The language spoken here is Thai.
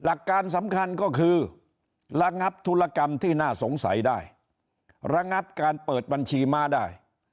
หลักการสำคัญก็คือระงับธุรกรรมที่น่าสงสัยได้ระงับการเปิดบัญชีม้าได้